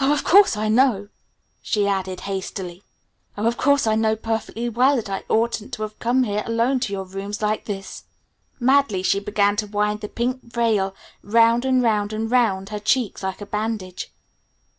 "Oh, of course I know," she added hastily. "Oh, of course I know perfectly well that I oughtn't to have come alone to your rooms like this!" Madly she began to wind the pink veil round and round and round her cheeks like a bandage.